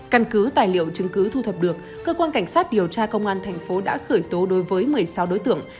căn cứ tài liệu chứng cứ thu thập được cơ quan cảnh sát điều tra công an thành phố đã khởi tố đối với một mươi sáu đối tượng